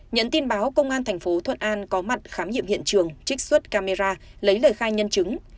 nhận tin báo công an thành phố thuận an có mặt khám nghiệm hiện trường trích xuất camera lấy lời khai nhân chứng